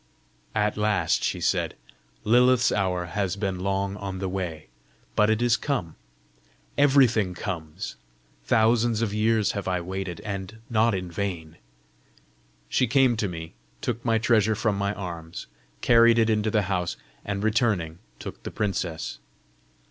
"At last!" she said. "Lilith's hour has been long on the way, but it is come! Everything comes. Thousands of years have I waited and not in vain!" She came to me, took my treasure from my arms, carried it into the house, and returning, took the princess.